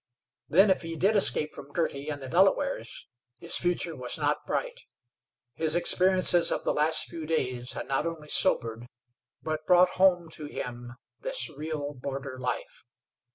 Then, if he did escape from Girty and the Delawares, his future was not bright. His experiences of the last few days had not only sobered, but brought home to him this real border life.